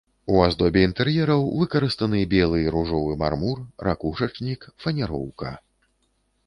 У аздобе інтэр'ераў выкарыстаны белы і ружовы мармур, ракушачнік, фанероўка.